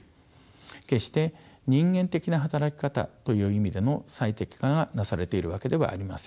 決して人間的な働き方という意味での最適化がなされているわけではありません。